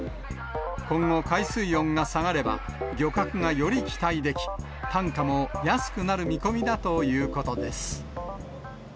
今後、海水温が下がれば、漁獲がより期待でき、単価も安くなる見込みだということです。